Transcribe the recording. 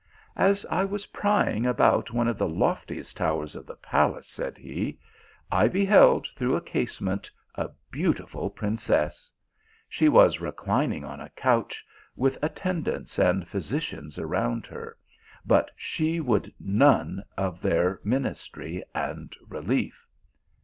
" As I was prying about one of the loftiest towers of the palace," said he, "I beheld through a case ment a beautiful princess. She was reclining on a couch, with attendants and physicians around her, but she would none of their ministry and relief.